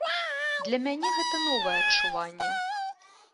Для мяне гэта новае адчуванне.